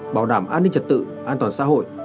bảo đảm an ninh trật tự an toàn xã hội